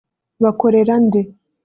Bakorera nde